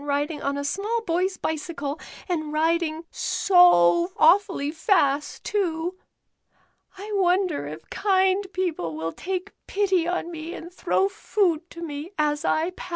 S. Bicycle. 59 riding on a small boy's bicycle, and riding so awfully fast, too. I wonder if kind people will take pity on me and throw food to me as I pass